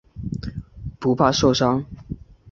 不怕受伤。